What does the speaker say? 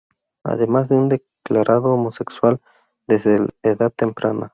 Además es un declarado homosexual desde edad temprana.